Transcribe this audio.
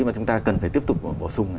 mà chúng ta cần phải tiếp tục bổ sung